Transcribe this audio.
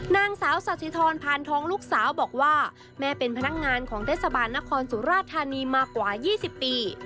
นางสาวสาธิธรพานทองลูกสาวบอกว่าแม่เป็นพนักงานของเทศบาลนครสุราธานีมากว่า๒๐ปี